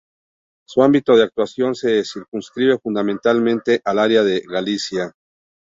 Su ámbito de actuación se circunscribe fundamentalmente al área de Galicia.